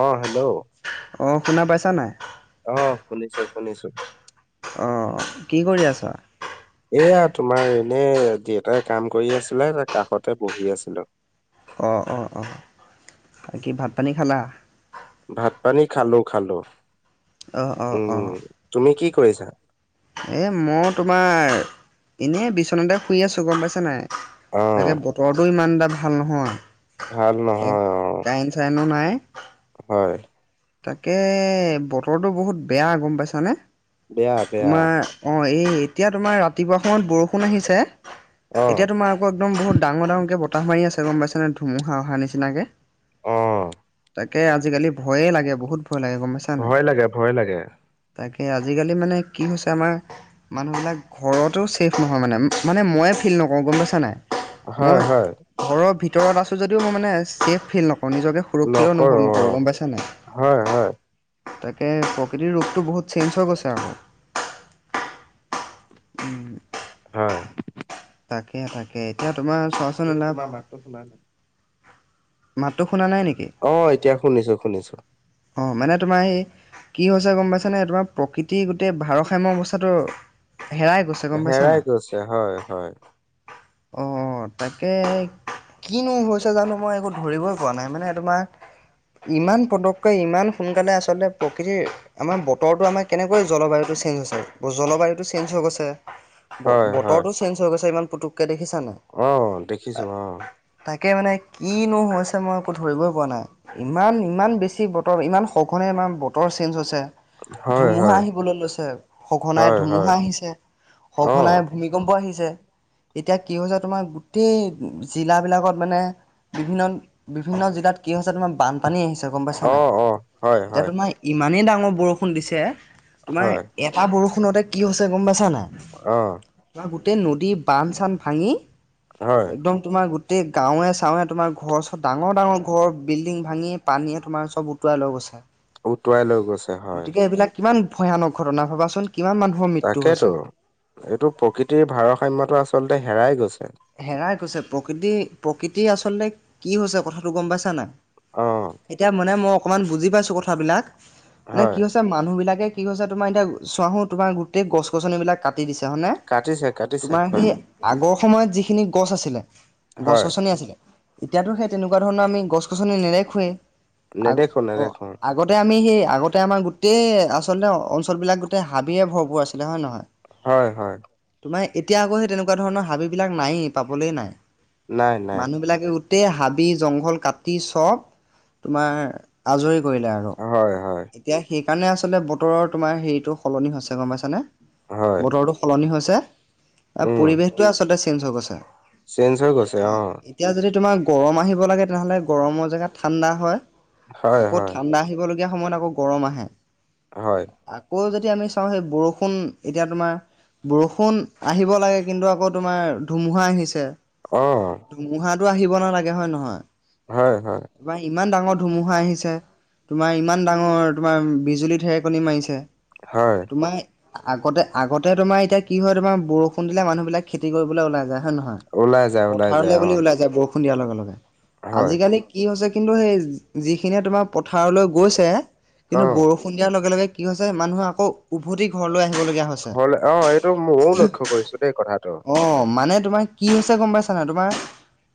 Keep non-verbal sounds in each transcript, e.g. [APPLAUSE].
অঁ', হেল্ল। অঁ', শুনা পাইছা নাই? অ', শুনিছো শুনিছো। অঁ', কি কৰি আছা? এয়া তোমাৰ এনেই, দেউেতাই কাম কৰি আছিলে তাৰ কাষতে বহি আছিলো। অঁ অঁ অঁ, বাকি ভাত পানী খালা? ভাত পানী খালো খালো। অ অ অ উম, তুমি কি কৰিছা? এ মও তোমাৰ, এনেই বিচনাতে শুই আছো। গম পাইছা নাই? অ তাকে ব- তৰটো, ইমান এটা ভাল নহয়। ভাল নহয়, অঁ। কাৰেনো, নাই। হয়। তাকে, বতৰটো বহুত বেয়া গম পাইছানে? বেয়া বেয়া তোমাৰ- অঁ', এই এতিয়া তোমাৰ ৰাতিপুৱা সময়ত বৰষুণ আহিছে, অ এতিয়া তোমাৰ আকৌ- একদম বহুত ডাঙৰ ডাঙৰকে বতাহ মাৰি আছে। গম পাইছে নে? ধুমুহা অহা নিচিনাকে। অ তাকে আজিকালি ভয়ে লাগে বহুত ভয় লাগে। গম পাইছা নাই? ভয় লাগে ভয় লাগে তাকে, আজিকালি মানে কি হৈছে আমাৰ মানুহবিলাক- ঘৰতো ছেফ নহয় মানে মানে ময়ে ফিল নকৰোঁ। গম পাইছা নাই? হয় মই- হয় ঘৰৰ ভিতৰত আছোঁ যদিও মই মানে ছেফ ফিল নকৰোঁ, নিজকে সুৰক্ষিত অনুভৱ নকৰোঁ। গম পাইছা নাই? হয়‌ হয়। তাকে, প্ৰকৃতিৰ ৰোপটো বহুত চেঞ্জ হৈ গৈছে আৰু। [UNINTELLIGIBLE] হয়। তাকে তা- কে। এতিয়া তোমাৰ চোৱাচোন, এই তোমাৰ মাতটো শুনা নাই মাতটো শুনা নাই নেকি? অঁ এতিয়া শুনিছো শুনিছো। অঁ', মানে তোমাৰ এই- কি হৈছে গম পাইছানে? তোমাৰ প্ৰকৃতিৰ গোটেই ভাৰসাম্য অৱস্থাটো- হেৰাই গৈছে। গম পাইছা হেৰাই নাই? গৈছে হয় হয় অঁ', তাকে কিনো হৈছে জানো মই একো ধৰিবই পৰা নাই। মানে- তোমাৰ, ইমান পদকে, ইমান সোনকালে আচলতে প্ৰকৃতিৰ- আমাৰ বতৰটো আমাৰ কেনেকৈ জলবায়ুটো চেঞ্জ হয়? জলবায়ুটো চেঞ্জ হৈ গৈছে। ব হয় হয় বতৰটো চেঞ্জ হৈ গৈছে ইমান পুতুককে দেখিছা নাই? অ দেখিছো অ তাকে মানে কিনো হৈছে মই একো ধৰিবই পৰা নাই। ইমান ইমান বেছি বতৰ ইমান সঘনে ইমান বতৰ চেঞ্জ হৈছে। হয় ধুমুহা হয় আহিবলৈ লৈছে সঘনাই হয় হয় ধুমুহা আহিছে অ', সঘনাই ভূমি- কম্প আহিছে। এতিয়া কি হৈছে তোমাৰ গোটেই জিলা বিলাকত মানে- বিভিন্ন বিভিন্ন জিলাত কি হৈছে তোমাৰ বানপানী আহিছে। গম পাই- ছা নাই? অ', অ', হয়, এতিয়া হয়, তোমাৰ ইমানেই ডাঙৰ বৰষুণ দিছে তোমাৰ- হয়, এটা বৰষুণতে কি হৈছে গম পাইছা নাই? অ বা গোটেই নদী বান্ধ চান্ধ ভাঙি হয়, একদম তোমাৰ গোটেই গাঁৱে চাৱে তোমাৰ ঘৰ চৰ ডাঙৰ ডাঙৰ ঘৰ বিল্ডিং ভাঙি পানীয়ে তোমাৰ চব উটুৱাই লৈ গৈছে উটুৱাই লৈ গৈছে হয়, গতিকে এইবিলাক কিমান ভয়ানক ঘটনা ভাবাচোন কিমান মানুহৰ মৃত্যু তাকেতো হৈছে এইটো প্ৰকৃতিৰ ভাৰসাম্যটো আচলতে হেৰাই গৈছে হেৰাই গৈছে প্ৰকৃতি প্ৰকৃতি আচলতে কি হৈছে কথাটো গম পাইছা নাই অ', এতিয়া মানে মই অকণমান বুজি পাইছো কথাবিলাক মানে হয়, কি হৈছে মানুহবিলাকে কি হৈছে এতিয়া চোৱাচোন তোমাৰ গোটেই গছ গছনিবিলাক কাটি দিছে হয়নে কাটিছে, কাটিছে তোমাৰ হয়, সেই আগৰ সময়ত যি গছ আছিলে গছ হয়, গছনি আছিল এতিয়াতো সেই তেনেকুৱা ধৰণৰ আমি গছ গছনি নেদেখোৱে আগ নেদেখো, অ নেদেখো। আগতে আমি সেই আগতে আমাৰ গোটেই আচলতে অঞ্চল বিলাক গোটেই হাবিৰে ভৰপুৰ আছিলে হয়নে নহয় হয়, হয়, তোমাৰ এতিয়া আকৌ সেই তেনেকুৱা ধৰণৰ হাবি বিলাক নায়েই পাবলে নাই নাই মানুহ বিলাকে গোটেই হাবি জংঘল কাটি চব তোমাৰ আজৰি কৰিলে আৰু হয়, হয়, এতিয়া সেইকাৰণে আচলতে বতৰৰ তোমাৰ হেৰিটো সলনি হৈছে গম পাইছানে হয়, বতৰতো সলনি হৈছে এ উম, পৰিৱেশটোৱে আচলতে চেঞ্জ হৈ গৈছে চেঞ্জ হৈ গৈছে অ এতিয়া যদি তোমাৰ গৰম আহিব লাগে তেনেহ'লে গৰমৰ জেগাত ঠাণ্ডা হয় হয়, আকৌ হয়, ঠাণ্ডা আহিব লগীয়া সময়ত আকৌ গৰম আহে হয় আকৌ যদি আমি চাওঁ সেই বৰষুণ এতিয়া তোমাৰ বৰষুণ আহিব লাগে কিন্তু আকৌ তোমাৰ ধুমুহা আহিছে অ', ধুমুহাটো আহিব নালাগে হয় নহয় হয় হয় এইবাৰ ইমান ডাঙৰ ধুমুহা আহিছে তোমাৰ ইমান ডাঙৰ তোমাৰ বিজুলী ঢেৰেকণী মাৰিছে হয়, তোমাৰ আগতে আগতে তোমাৰ এতিয়া কি হয় তোমাৰ বৰষুণ দিলে মানুহ বিলাক খেতি কৰিবলে ওলাই যায় হয় নহয় ওলাই যায়, ওলাই যায় পথাৰলৈ বুলি অ', ওলাই যায় বৰষুণ দিয়াৰ লগে লগে হয়, আজিকালি কি হৈছে কিন্তু সেই যিখিনিয়ে তোমাৰ পথাৰলৈ গৈছে কিন্তু অ', বৰ বৰষুণ দিয়াৰ লগে লগে কি হৈছে মানুহে আকৌ উভতি ঘৰলৈ আহিবলগীয়া হৈছে। ঘৰলে অ এইটো ময়ো লক্ষ্য কৰিছো দেই কথাটো অ মানে তোমাৰ কি হৈছে গম পাইছা নাই তোমাৰ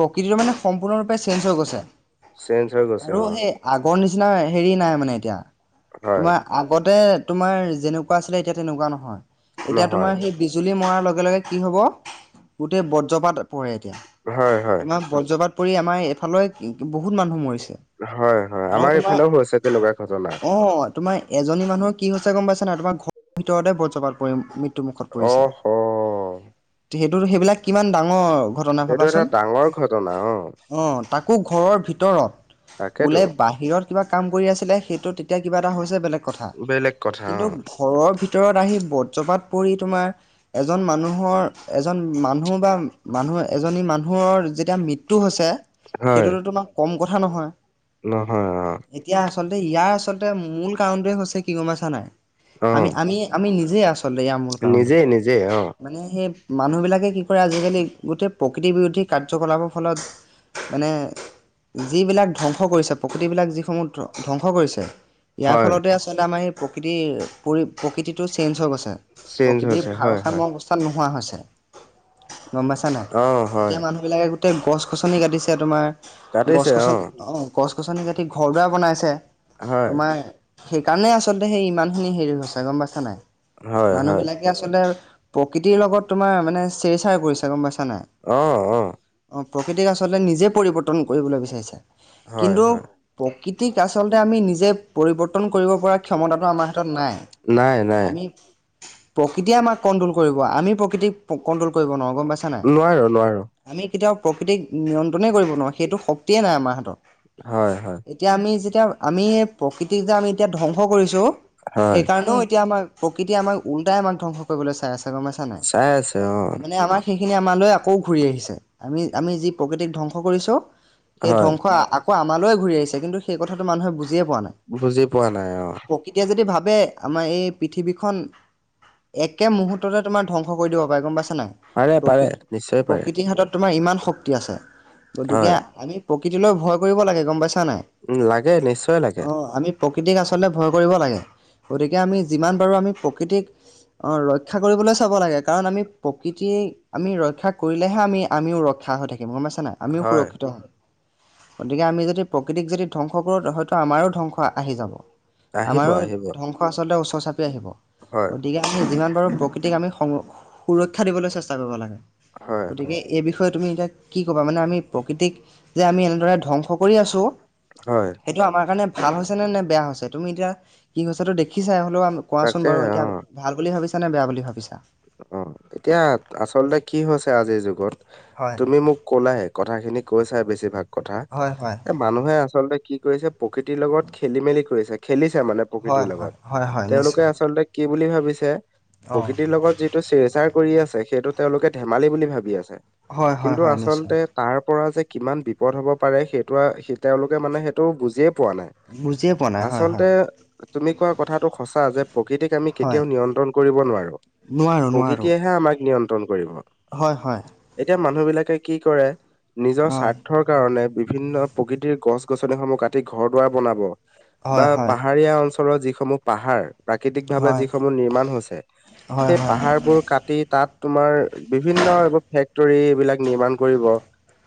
প্ৰকৃতিটো মানে সম্পূৰ্ণৰূপে চেঞ্জ হৈ গৈছে চেঞ্জ হৈ গৈছে আৰু অ সেই আগৰ নিচিনা হেৰি নাই মানে এতিয়া হয় তোমাৰ আগতে তোমাৰ যেনেকুৱা আছিলে এতিয়া তেনেকুৱা নহয় এতিয়া নহয় তোমাৰ সেই বিজুলী মৰাৰ লগে লগে কি হ'ব গোটেই বজ্ৰপাত পৰে এতিয়া হয় হয় তোমাৰ বজ্ৰপাত পৰি আমাৰ এইফালৰ বহুত মানুহ মৰিছে। হয় হয় আৰু আমাৰ তোমাৰ ইফালেও হৈছে তেনেকুৱা ঘটনা অ তোমাৰ এজনী মানুহৰ কি হৈছে গম পাইছা নাই তোমাৰ ঘৰৰ ভিতৰতে ব্ৰজ্ৰপাত পৰি মৃত্যুমুখত পৰিছে। অহ সেইটো সেইবিলাক কিমান ডাঙৰ ঘটনা এইটো এটা ভাবাচোন। ডাঙৰ ঘটনা অ অ তাকো ঘৰৰ ভিতৰত তাকেতো বোলে বাহ সিহঁত কিবা কাম কৰি আছিলে সেইটো তেতিয়া কিবা এটা হৈছে বেলেগ কথা। বেলেগ কথা কিন্তু অ ঘৰৰ ভিতৰত আহি বজ্ৰপাত পৰি তোমাৰ এজন মানুহৰ এজন মানুহ বা মানুহ এজনী মানুহৰ যেতিয়া মৃত্যু হৈছে হয় সেইটোতো তোমাৰ কম কথা নহয় নহয় এতিয়া আচলতে ইয়াৰ আ আচলতে মূল কাৰণটোৱে হৈছে কি গম পাইছা নাই? অ অ আমি আমি আমি নিজে আচলতে ইয়াৰ মূল কাৰণটো নিজেই নিজেই অ মানে সেই মানুহবিলাকে কি কৰে আজিকালি গোটেই প্ৰকৃতি বিৰোধী কাৰ্যকলাপৰ ফলত মানে যিবিলাক ধ্বংস কৰিছে প্ৰকৃতিবিলাক যিসমূহ ধ ধ্বংস কৰিছে ইয়াৰ হয় ফলতে আচলতে আমাৰ এই প্ৰকৃতিৰ পৰি প্ৰকৃতিটো চেঞ্জ হৈ গৈছে চেঞ্জ হৈছে প্ৰকৃতিৰ হয় হয় ভাৰসাম্য অৱস্থাত নোহোৱা হৈছে। গম পাইছা নাই অ হয় এতিয়া মানুহবিলাকে গোটেই গছ গছনি কাটিছে তোমাৰ গছ গছনি অ গছ গছনি কাটি ঘৰ দুৱাৰ বনাইছে। হয় তোমাৰ সেইকাৰণে আচলতে সেই ইমানখিনি হেৰি হৈছে গম পাইছা নাই হয় হয় মানুহবিলাক আচলতে প্ৰকৃতিৰ লগত তোমাৰ মানে চেৰচাৰ কৰিছা গম পাইছা নাই। অ অ অঁ প্ৰকৃতিক আচলতে নিজে পৰিৱৰ্তন কৰিবলৈ বিচাৰিছে। হয় কিন্তু হয় প্ৰকৃতিক আচলতে আমি নিজে পৰিৱৰ্তন কৰিব পৰা ক্ষয়মতাটো আমাৰ হাতত নাই। নাই নাই আমি প্ৰকৃতিয়ে আমাক কণ্ট্ৰোল কৰিব আমি প্ৰক প্ৰকৃতিক কন্ট্ৰল কৰিব নোৱাৰোঁ গম পাইছা নাই। নোৱাৰো নোৱাৰো আমি কেতিয়াও প্ৰকৃতিক নিয়ন্ত্ৰণে কৰিব নোৱাৰোঁ সেইটো শক্তিয়ে নাই আমাৰ হাতত। হয় হয় এতিয়া আমি যেতিয়া আমি প্ৰকৃতিক যে আমি এতিয়া ধ্বংস কৰিছোঁ হয় সেইকাৰণেও এতিয়া আমাৰ প্ৰকৃতি আমাক উলটাই আমাক ধ্বংস কৰিবলৈ চাই আছে গম পাইছা নাই? চাই আছে অ। মানে আমাক সেইখিনি আমালৈ আকৌ ঘূৰি আহিছে আমি আমি যি প্ৰকৃতিক ধ্বংস কৰিছোঁ সেই হয়, ধ্বংস আকৌ আমালৈয়ে ঘূৰি আহিছে কিন্তু সেই কথাটো মানুহে বুজিয়ে পোৱা নাই। বুজি পোৱা নাই অ, এতিয়া যদি ভাবে আমাৰ এই পৃথিৱীখন একে মুহূৰ্ততে তোমাৰ ধ্বংস ধবহংস কৰি দিব পাৰে গম পাইছা নাই, পাৰে পাৰে প্ৰকৃতি নিশ্চয় পাৰে। প্ৰকৃতিৰ হাতত তোমাৰ ইমান শক্তি আছে গতিকে হয়, আমি প্ৰকৃতিলৈ ভয় কৰিব লাগে গম পাইছা নাই। উম, লাগে নিশ্চয় লাগে। অ আমি প্ৰকৃতিক আচলতে ভয় কৰিব লাগে গতিকে আমি যিমান পাৰোঁ আমি প্ৰকৃতিক অ ৰক্ষা কৰিবলৈ চাব লাগে। কাৰণ আমি প্ৰকৃতি আমি ৰক্ষা কৰিলেহে আমি আমিও ৰক্ষা হৈ থাকিম গম পাইছা নাই? আমিও হয়, সুৰক্ষিত গতিকে আমি যদি প্ৰকৃতিক যদি ধ্বংস কৰোঁ হয়তো আমাৰো ধ্বংস আহি যাব আহিব আমাৰো আহিব ধ্বংস আচলতে ওচৰ চাপি আহিব হয়, গতিকে আমি যিমান পাৰোঁ প্ৰকৃতিক আমি সং সুৰক্ষা দিবলৈ চেষ্টা কৰিব লাগে হয়, হয়। গতিকে এই বিষয়ে তুমি এতিয়া কি ক'বা মানে আমি প্ৰকৃতিক যে আমি এনেদৰে ধ্বংস কৰি আছোঁ হয় সেইটো আমাৰ কাৰণে ভাল হৈছে নে নে বেয়া হৈছে তুমি এতিয়া কি হৈছেটো দেখিছাই হ'লেও কোৱাচোন তাকে বাৰু অ, এতিয়া ভাল বুলি ভাবিছা নে বেয়া বুলি ভাবিছা অ এতিয়া আচলতে কি হৈছে আজিৰ যুগত হয় তুমি মোক ক'লাই কথা খিনি কৈ চাই বেছিভাগ কথা হয় হয় মানুহে আচলতে কি কৰিছে প্ৰকৃতিৰ লগত খেলি মেলি কৰিছে। খেলিছে মানে প্ৰকৃতিৰ হয় লগত, হয় হয় হয় তেওঁলোকে নিশ্চয় আচলতে কি বুলি ভাবিছে অ প্ৰকৃতিৰ লগত যিটো চেৰচাৰ কৰি আছে সেইটো তেওঁলোকে ধেমালি বুলি ভাবি আছে। হয় হয় কিন্তু হয় নিশ্চয় আচলতে তাৰ পৰা যে কিমান বি বিপদ হ'ব পাৰে সেইটো স তেওঁলোকে মানে সেইটো বুজিয়ে পোৱা নাই। বুজিয়ে পোৱা নাই হয় আচলতে হয়। তুমি কোৱা কথাটো সচা যে প্ৰকৃতিক আমি হয় কেতিয়াও নিয়ন্ত্ৰণ কৰিব নোৱাৰো। নোৱাৰো নোৱাৰো প্ৰকৃতিয়েহে আমাক নিয়ন্ত্ৰণ কৰিব। হয় হয়। এতিয়া মানুহ বিলাকে কি কৰে নিজৰ স্বাৰ্থৰ কাৰণে বিভিন্ন প্ৰকৃতিৰ গছ গছনিসমূহ কাতি ঘৰ দূৱাৰ বনাব হয় হয় বা পাহাৰীয়া অঞ্চলৰ যিসমূহ পাহাৰ প্ৰাকৃতিক ভাৱে হয় যিসমূহ নিমাণ হৈছে হয় সেই হয় পাহাৰবোৰ কাটি তাত তোমাৰ বিভিন্ন এইবোৰ ফেক্টৰী এইবিলাক নিমাণ কৰিব,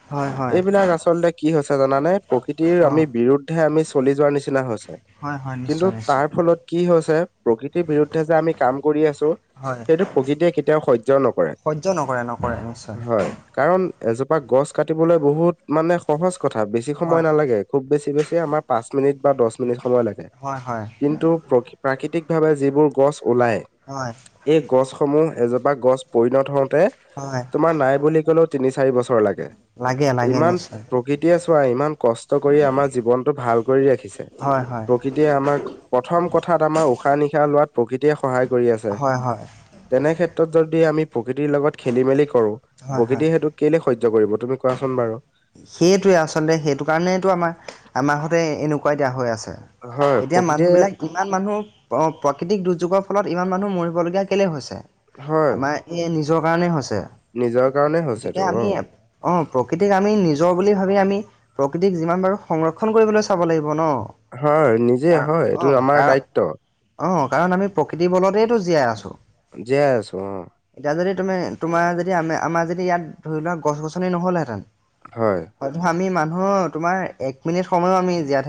হয় হয় হয় এইবিলাক আচলতে কি হৈছে জানানে প্ৰকৃতিৰ অ আমি বিৰুদ্ধে আমি চলি যোৱাৰ নিচিনা হৈছে। হয় হয় কিন্তু নিশ্চয় তাৰ নিশ্চয় ফলত কি হৈছে প্ৰকৃতিৰ বিৰুদ্ধে যে আমি কাম কৰি আছো হয় সেইটো প্ৰকৃতিয়ে কেতিয়াও সহ্য নকৰে হয় কাৰণ এজোপা গছ কাটিবলৈ বহুত মানে সহজ কথা বেছি সময় হয় নালাগে। খুব বেছি বেছি আমাৰ পাঁচ মিনিট বা দহ মিনিট সময় লাগে হয় হয় কিন্তু প্ৰকৃত প্ৰাকৃতিকভাৱে যিবোৰ গছ ওলায় হয়। এই গছসমূহ এজোপা গছ পৰিণত হওঁতে হয় তোমাৰ নাই বুলি ক'লেও তিনি চাৰি বছৰ লাগে, লাগে লাগে ইমান নিশ্চয় প্ৰকৃতিয়ে চোৱা ইমান কষ্ট কৰি আমাৰ জীৱনটো ভাল কৰি ৰাখিছে, হয় হয় প্ৰকৃতিয়ে প্ৰথম কথা এটা আমাৰ উশাহ নিশাহ লোৱাত প্ৰকৃতিয়ে সহায় কৰি আছে হয় হয় তেনেক্ষেত্ৰ যদি আমি প্ৰকৃতিৰ লগত খেলি মেলি কৰো হয় হয় প্ৰকৃতিয়ে সেইটো কেলে সহ্য কৰিব তুমি কোৱাচোন বাৰু। সেইটোৱে আচলতে সেইটো কাৰণেতো আমাৰ আমাৰাহঁতে এনেকুৱাই দিয়া হৈ আছে। হয় এতিয়া প্ৰকৃতিয়ে মানুহবিলাক ইমান মানুহ অ প্ৰাকৃতিক দুৰ্যোগৰ ফলত ইমান মানুহ মৰিবলগীয়া কেলেই হৈছে? হয় আমাৰ এই নিজৰ কাৰনে হৈছে, নিজৰ কাৰণে হৈছে গতিকে এইটো অ। আমি অ প্ৰকৃতিক আমি নিজৰ বুলি ভাবি আমি প্ৰকৃতিক যিমান পাৰোঁ সংৰক্ষণ কৰিবলৈ চাব লাগিব ন। হয় নিজে হয় এইটো আমাৰ দায়িত্ব। অহ কাৰণ আমি প্ৰকৃতিৰ বলতেইতো জীয়াই আছো। জীয়াই আছো অ এতিয়া যদি তুমি তোমাৰ যদি আম আমাৰ যদি ইয়াত ধৰি লোৱা গছ গছনি নহ'লহেঁতেন হয়। [UNINTELLIGIBLE] আমি মানুহ তোমাৰ এক মিনিট সময়ো আমি জীয়াই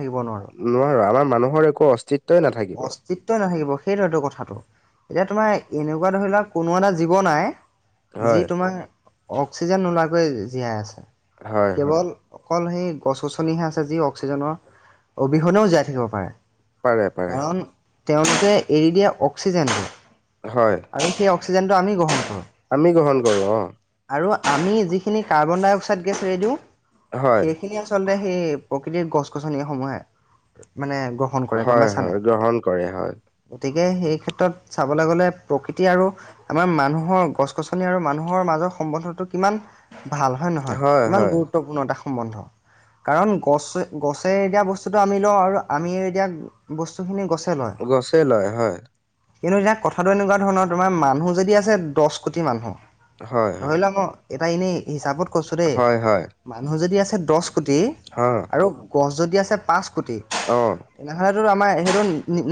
নোৱাৰো আমাৰ মানুহৰ একো অস্তিত্বই নাথাকিব। কিয় নাথাকিব সেইটোতো কথাটো, এতিয়া তোমাৰ এনেকুৱা ধৰি লোৱা কোনো এটা জীৱ নাই যি হয় তোমাৰ অক্সিজেন নোলোৱাকৈয় জীয়াই আছে হয় হয় কেৱল অকল সেই গছ গছনিহে আছে যি অক্সিজেনৰ অবিহনেও জীয়াই থাকিব পাৰে কাৰণ তেওঁলোকে এৰি দিয়া অক্সিজেনটো হয় আৰু সেই অক্সিজেনটো আমি গ্ৰহণ আমি গ্ৰহণ কৰোঁ। কৰো অ। আৰু আমি যিখিনি কাৰ্বন ডাই অক্সাইড গেছ এৰি দিওঁ হয়, সেইখিনি আচলতে সেই প্ৰকৃতিৰ গছ গছনি সমূহে মানে গ্ৰহণ কৰে গম হয়, পাইছা হয়, নাই গ্ৰহণ কৰে হয়, গতিকে সেই ক্ষেত্ৰত চাবলৈ গ'লে প্ৰকৃতি আৰু আমাৰ মানুহৰ গছ গছনি আৰু মানুহৰ মাজৰ সম্বন্ধটো কিমান ভাল হয় নহয় গুৰুতপূৰ্ণ এটা সম্বন্ধ কাৰণ গছে গছে দিয়া বস্তুটো আমি কিয় আৰু আমি এৰি দিয়া বস্তুখিনি গছে লয় গছে গছেই লয় হয়, কিন্তু এতিয়া কথাটো এনেকুৱা ধৰণৰ তোমাৰ মানুহ যদি আছে দছ কোটি মানুহ হয়, ধৰি হয়, লোৱা মই এটা এনেই হিচাপত কৈছো দেই হয় হয় মানুহ যদি আছে দছ কোটি হয়, আৰু গছ যদি আছে পাঁচ কোটি অ তেনেহ'লেতো আমাৰ সেইটো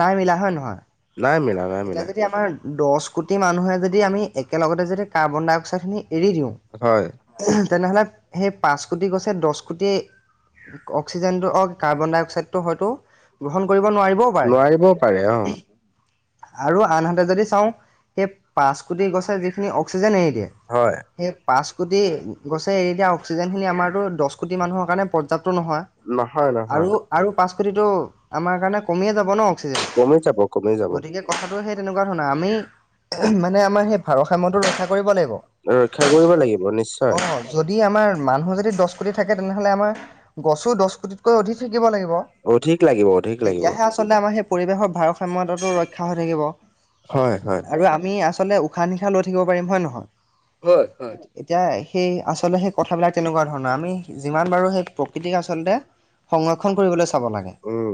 নাই মিলা হয় নহয় নাই মিলা এতিয়া যদি আমাৰ দছ কোটি মানুহে যদি আমি একেলগতে যদি কাৰ্বন ডাইঅক্সাইডখিনি এৰি দিওঁ হয় তেনেহ'লে সেই পাঁচ কোটি গছে দছ কোটি অক্সিজেনক কাৰ্বন ডাই অক্সাইডটো হয়তো গ্ৰহণ কৰিব নোৱাৰিবও পাৰে পাৰে অ', নোৱাৰিবও পা আৰু আনহাতে যদি চাওঁ সেই পাঁচ কোটি গছে যিখিনি অক্সিজেন এৰি দিয়ে হয় সেই পাঁচ কোটি গছে এৰি দি অক্সিজেনখিনি আমাৰো দছ কোটি মানুহৰ কাৰণে প্যৰ্যাপ্ত নহয় নহয়, আৰু নহয়, আৰু পাঁচ কোটিটো আমাৰ কাৰণে কমিয়ে যাব ন কমি যাব, অক্সিজেন কমি যাব। গতিকে কথাটো সেই তেনেকুৱা ধৰণৰ আমি মানে আমাৰ সেই ভাৰসাম্যটো ৰক্ষা কৰিব লাগিব ৰক্ষা কৰিব লাগিব নিশ্চ অ যদি আমাৰ মানুহ যদি দছ কোটি থাকে তেনেহলে আমাৰ গছো দছ কোটিতকৈ অধিক থাকিব লাগিব অধিক লাগিব, অধিক লাগিব। তেতিয়াহে আচলতে আমাৰ সেই পৰিৱেশৰ ভাৰসাম্যতাটো ৰক্ষা হৈ থাকিব হয় আৰু আম আমি আচলতে উশাহ নিশাহ লৈ থাকিব পাৰিম হয় নহয় হয় হয় এতিয়া সেই আচলতে সেই কথাবিলাক তেনেকুৱা ধৰণৰ আমি যিমান পাৰোঁ সেই প্ৰকৃতিক আচলতে সংৰক্ষণ কৰিবলৈ চাব লাগে উম,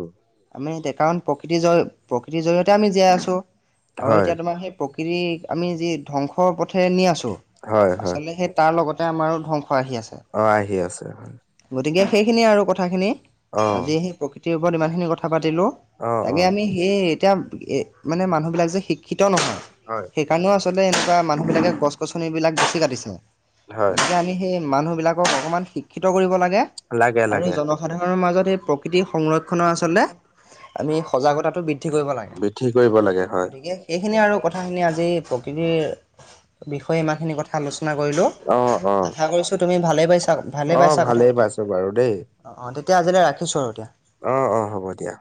আমি এতিয়া কাৰণ প্ৰকৃতিৰ জয় প্ৰকৃতিৰ জয়তে আমি জীয়াই আছোঁ আৰু হয়। এতিয়া তোমাৰ সেই প্ৰকৃতি আমি যি ধ্বংসৰ পথেৰে নি আছো হয় হয় তাৰ লগতে আমাৰো ধ্বংস আহি আছে অ', আহি আছে হয়, গতিকে সেইখিনি আৰু কথাখিনি অ'। আজি সেই প্ৰকৃতিৰ ওপৰত ইমান খিনি কথা পাতিলো অ', তাকে আমি অ'। হেই এতিয়া এ মানে মানুহবিলাক যে শিক্ষিত নহয় হয় সেইকাৰণেও আচলতে এনেকা মানুহবিলাকে গছ গছন বিলাক বেছি কাটিছে হয় গতিকে আমি সেই মানুহ বিলাকক অকমান শিক্ষিত কৰিব লাগে লাগে আৰু লাগে। জন জনসাধাৰণৰ মাজত এই প্ৰকৃতিৰ সংৰক্ষণৰ আচলতে আমি সজাগতাটো বৃদ্ দ্ধি কৰিব লাগে বৃদ্ধি কৰিব লাগে হয় গতিকে সেইখিনি আৰু কথাখিনি আজি প্ৰকৃতিৰ বিষয়ে ইমানখিনি কথা আলোচনা কৰিলোঁ অ অ আশা কৰিছো তুমি ভালে পাইছা ভালে অ পাইছা কথা ভালেই পাতি পাইছো বাৰু দেই অ অ তেতিয়া আজিলৈ ৰাখিছো আৰু এতিয়া অ অ হ'ব দিয়া